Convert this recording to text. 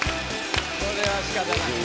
これはしかたない。